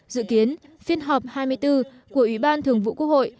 dự kiến phiên họp hai mươi bốn của ủy ban thường vụ quốc hội